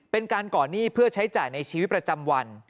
เป็นการก่อนหนี้เพื่อใช้จ่ายในชีวิตประจำวัน